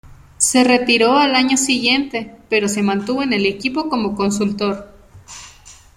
Se retiró al año siguiente, pero se mantuvo en el equipo como consultor.